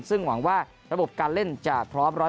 ซึ่งหวังว่าระบบการเล่นจะพร้อม๑๐๐